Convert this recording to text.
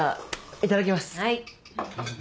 いただきます。